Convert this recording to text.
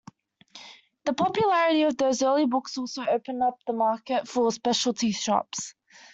The popularity of those early books also opened up a market for specialty shops.